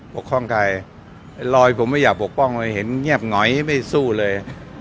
กพ่องใครไอ้รอยผมไม่อยากปกป้องเลยเห็นเงียบหงอยไม่สู้เลย